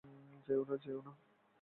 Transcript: যেওনা, যেওনা।